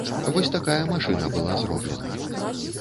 Вось такая машына была зроблена.